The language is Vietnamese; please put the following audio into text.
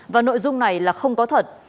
và nội dung này là không có thật